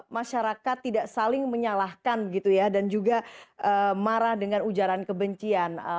masyarakat tidak saling menyalahkan gitu ya dan juga marah dengan ujaran kebencian